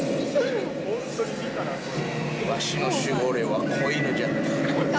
わしの守護霊は子犬じゃった。